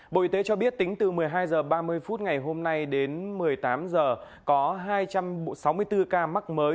bộ y tế cho biết tính từ một mươi hai h ba mươi phút ngày hôm nay đến một mươi tám h có hai trăm sáu mươi bốn ca mắc mới